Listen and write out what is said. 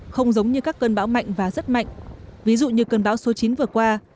không giống như các cơn bão mạnh và rất mạnh ví dụ như cơn bão số chín vừa qua